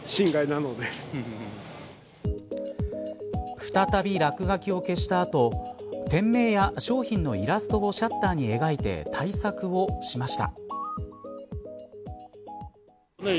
再び落書きを消した後店名や商品のイラストをシャッターに描いて対策をしました。